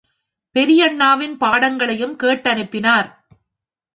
பெரியண்ணாவின் பாடங்களையும் கேட்டனுப்பினார்.